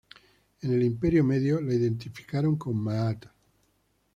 En el Imperio Medio la identificaron con Maat.